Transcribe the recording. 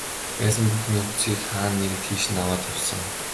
Байсан бүх нөөцийг хаа нэг тийш нь аваад явсан.